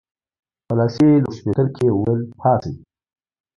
په لاسي لوډسپیکر کې یې وویل پاڅئ.